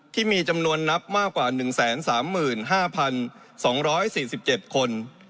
ที่มีจำนวนนับมากกว่า๑๓๕๒๔๗คน